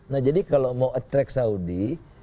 nah jadi kalau mau attract saudi